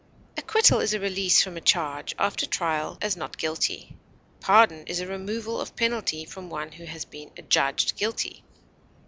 Acquittal is a release from a charge, after trial, as not guilty. Pardon is a removal of penalty from one who has been adjudged guilty.